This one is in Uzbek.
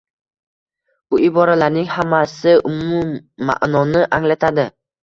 Bu iboralarning hammasi umumma’noni anglatadi